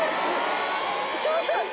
ちょっと。